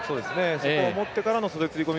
そこを持ってからの袖釣り込み